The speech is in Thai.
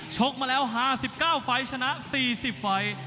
กมาแล้ว๕๙ไฟล์ชนะ๔๐ไฟล์